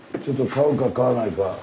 ちょっと買うか買わないか。